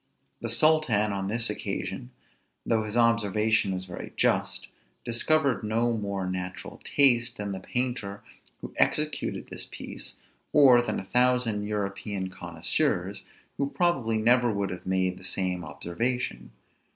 The sultan on this occasion, though his observation was very just, discovered no more natural taste than the painter who executed this piece, or than a thousand European connoisseurs, who probably never would have made the same observation.